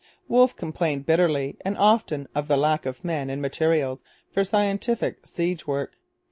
Wolfe complained bitterly and often of the lack of men and materials for scientific siege work.